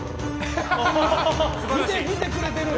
見てくれてる！